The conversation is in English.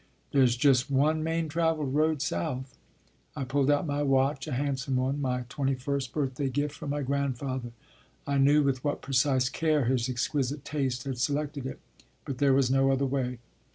"There s just one main traveled road south." I pulled out my watch, a handsome one, my twen ty first birthday gift from my grandfather. I knew with what precise care his exquisite taste had se lected it. But there was no other way.